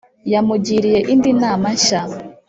yamugiriye indi nama nshya